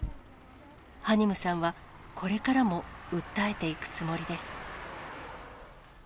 ハニムさんはこれからも訴えていくつもりです。